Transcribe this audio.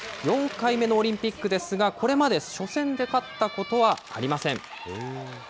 ４回目のオリンピックですが、これまで初戦で勝ったことはありません。